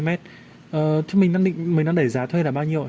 năm mươi năm sáu mươi m thế mình đang đẩy giá thuê là bao nhiêu ạ